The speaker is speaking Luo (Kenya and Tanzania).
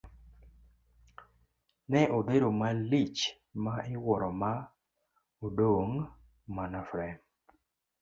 Ne odhero malich ma iwuoro ma odong' mana frem.